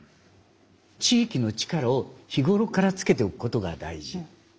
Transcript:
地域の力を日頃からつけておくことが大事なんですね。